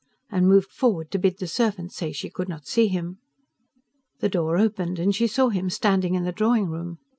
and moved forward to bid the servant say she could not see him. The door opened and she saw him standing in the drawing room.